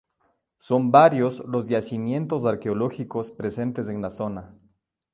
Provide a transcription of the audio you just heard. Son varios los yacimientos arqueológicos presentes en la zona.